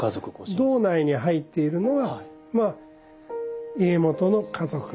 堂内に入っているのはまあ家元の家族。